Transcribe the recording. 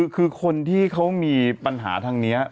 คือคนที่เขามีปัญหาทางนี้